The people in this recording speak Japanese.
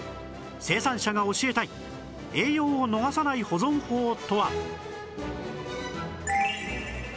生産者が教えたい栄養を逃さない保存法とは？